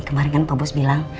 kemarin kan pak bus bilang